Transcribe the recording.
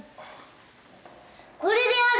これである！